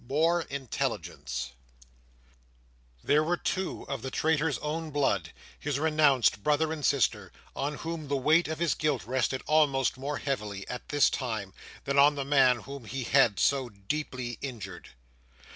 More Intelligence There were two of the traitor's own blood—his renounced brother and sister—on whom the weight of his guilt rested almost more heavily, at this time, than on the man whom he had so deeply injured.